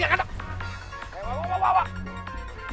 itu nggak usah nyangka kalau gua nggak anu